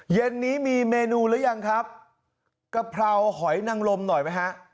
เย็นนี้มีเมนูหรือยังครับกะเพราหอยนังลมหน่อยไหมฮะ